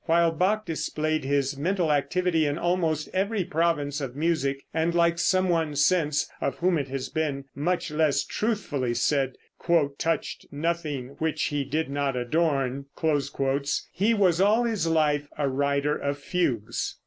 While Bach displayed his mental activity in almost every province of music, and like some one since, of whom it has been much less truthfully said, "touched nothing which he did not adorn," he was all his life a writer of fugues.